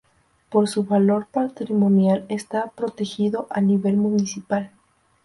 Por su valor patrimonial está protegido a nivel municipal.